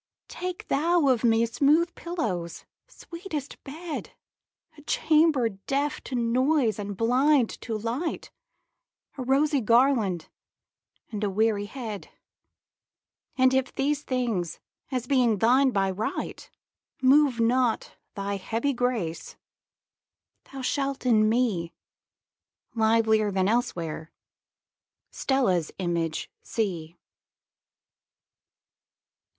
Take thou of me smooth pillows, sweetest bed,A chamber deaf to noise and blind to light,A rosy garland and a weary head:And if these things, as being thine by right, Move not thy heavy grace, thou shalt in me, Livelier than elsewhere, Stella's image see.